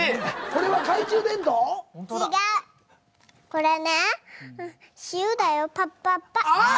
これね塩だよパッパッパッ。